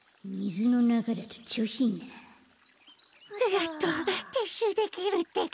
やっとてっしゅうできるってか。